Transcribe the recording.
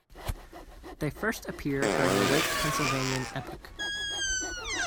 They first appear during the Late Pennsylvanian epoch.